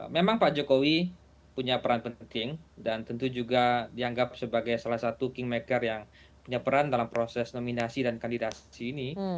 memang pak jokowi punya peran penting dan tentu juga dianggap sebagai salah satu kingmaker yang punya peran dalam proses nominasi dan kandidasi ini